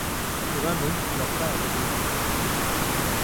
সূরা নূহ মক্কায় অবতীর্ণ হয়েছে।